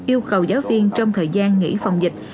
yêu cầu giáo viên trong thời gian nghỉ phòng dịch